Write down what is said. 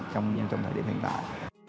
trong thời điểm hiện đại